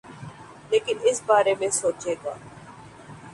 لیکن اس بارے میں سوچے گا۔